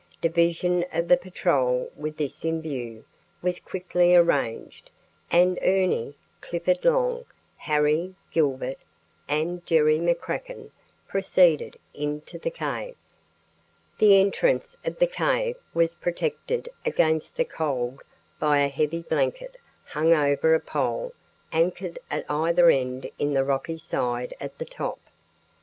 Division of the patrol with this in view was quickly arranged, and Ernie, Clifford Long, Harry, Gilbert, and Jerry McCracken proceeded into the cave. The entrance of the cave was protected against the cold by a heavy blanket hung over a pole anchored at either end in the rocky side at the top.